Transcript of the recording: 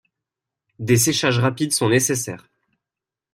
Des séchages rapides sont nécessaires.